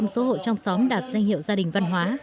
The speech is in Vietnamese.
chín mươi ba bảy số hộ trong xóm đạt danh hiệu gia đình văn hóa